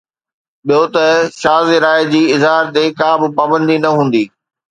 ٻيو ته شاز راءِ جي اظهار تي ڪا به پابندي نه هوندي.